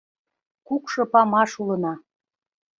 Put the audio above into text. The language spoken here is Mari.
Кукшо Памаш улына.